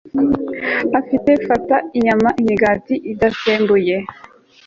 ati fata inyama n'imigati idasembuye